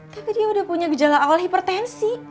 tapi dia udah punya gejala awal hipertensi